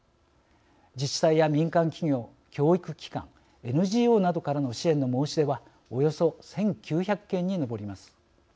自治体や民間企業、教育機関ＮＧＯなどからの支援の申し出はおよそ１９００件に上ります。